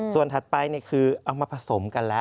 ส่วนถัดไปคือเอามาผสมกันแล้ว